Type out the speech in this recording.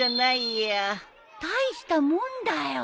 大したもんだよ。